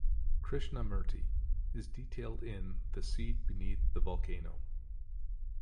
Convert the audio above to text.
Krishnamurti, is detailed in "The Seed Beneath the Volcano".